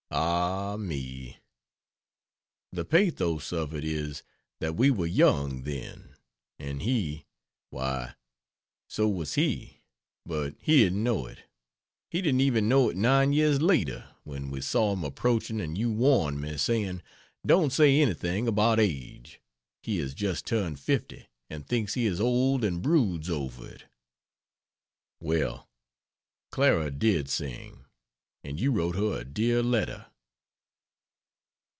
Ah me, the pathos of it is, that we were young then. And he why, so was he, but he didn't know it. He didn't even know it 9 years later, when we saw him approaching and you warned me, saying, "Don't say anything about age he has just turned fifty, and thinks he is old and broods over it." [Well, Clara did sing! And you wrote her a dear letter.